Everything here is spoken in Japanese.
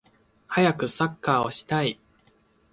はやくサッカーをしたい